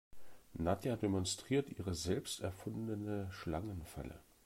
Nadja demonstriert ihre selbst erfundene Schlangenfalle.